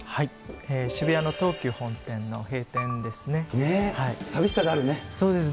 渋谷の東急本店の閉店ですね。